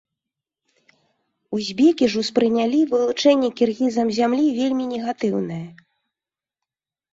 Узбекі ж успрынялі вылучэнне кіргізам зямлі вельмі негатыўнае.